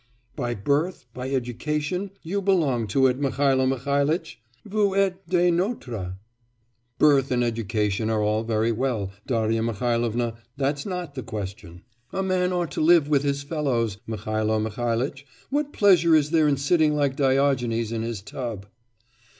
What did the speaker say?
'By birth, by education, you belong to it, Mihailo Mihailitch! vous êtes des notres.' 'Birth and education are all very well, Darya Mihailovna; that's not the question.' 'A man ought to live with his fellows, Mihailo Mihailitch! What pleasure is there in sitting like Diogenes in his tub?